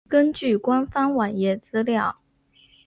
根据官方网页资料。